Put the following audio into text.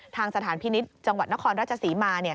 ทางสถานพินิฐจังหวัดนครราชสีมา